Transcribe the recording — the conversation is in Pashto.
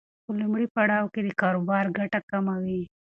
په لومړي پړاو کې د کاروبار ګټه کمه وي.